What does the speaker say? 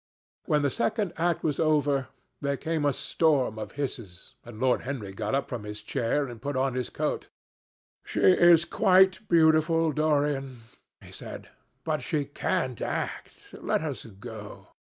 When the second act was over, there came a storm of hisses, and Lord Henry got up from his chair and put on his coat. "She is quite beautiful, Dorian," he said, "but she can't act. Let us go."